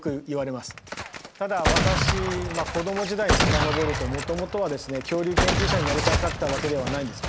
ただ私子供時代に遡るともともとはですね恐竜研究者になりたかったわけではないんです。